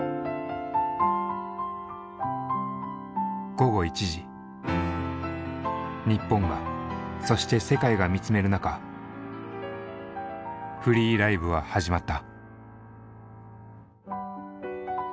午後１時日本がそして世界が見つめる中「“Ｆｒｅｅ”Ｌｉｖｅ」は始まった。